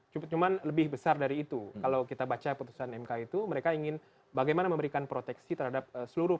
cuman lebih besar dari itu kalau kita baca putusan mk itu mereka ingin bagaimana memberikan proteksi terhadap seluruh